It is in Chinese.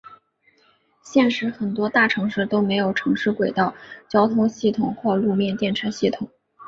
现时很多大城市都设有城市轨道交通系统或路面电车系统。